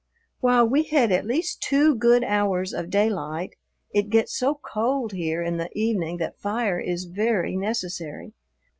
While we had at least two good hours of daylight, it gets so cold here in the evening that fire is very necessary.